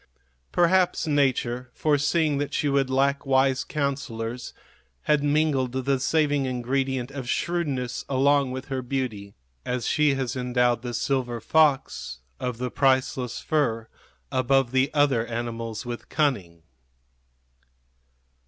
Perhaps nature, foreseeing that she would lack wise counsellors, had mingled the saving ingredient of shrewdness along with her beauty, as she has endowed the silver fox of the priceless fur above the other animals with cunning.